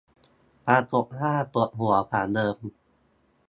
ปรากฏว่าปวดหัวกว่าเดิม